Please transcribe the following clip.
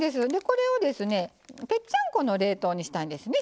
これをですねぺっちゃんこの冷凍にしたいんですね。